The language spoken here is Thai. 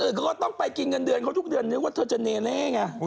ก็ต้องไปกินเงินเดือนเขาทุกเดือนนึกว่าเธอจะเนเล่ไง